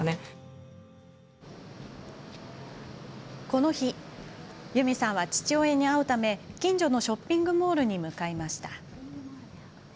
この日ユミさんは父親に会うため近所のショッピングモールに向かいました。